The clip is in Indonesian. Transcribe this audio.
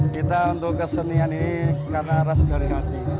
kita untuk kesenian ini karena ras garing hati